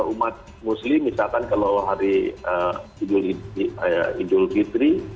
umat muslim misalkan kalau hari idul fitri